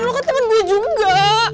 lin lo kan temen gue juga